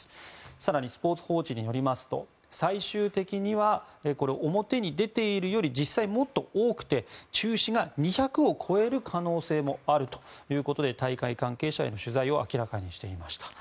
更に、スポーツ報知によりますと最終的には表に出ているより実際はもっと多くて中止が２００を超える可能性もあるということで大会関係者への取材を明らかにしていました。